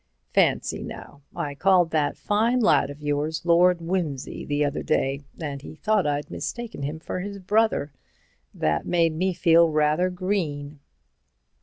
Fancy now, I called that fine lad of yours Lord Wimsey the other day, and he thought I'd mistaken him for his brother. That made me feel rather green."